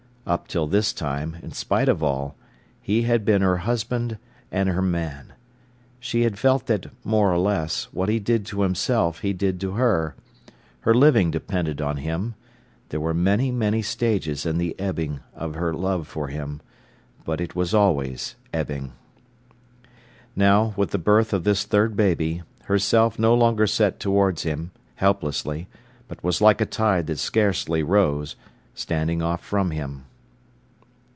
Up till this time, in spite of all, he had been her husband and her man. She had felt that, more or less, what he did to himself he did to her. Her living depended on him. There were many, many stages in the ebbing of her love for him, but it was always ebbing. Now, with the birth of this third baby, her self no longer set towards him, helplessly, but was like a tide that scarcely rose, standing off from him.